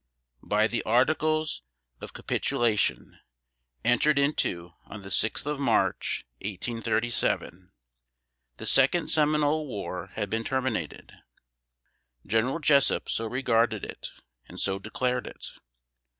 By the articles of capitulation, entered into on the sixth of March (1837), the second Seminole War had been terminated. General Jessup so regarded it, and so declared it.